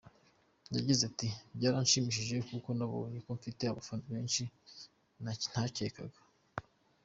Yagize ati :”Byaranshimishije kuko nabonye ko mfite abafana benshi ntakekaga.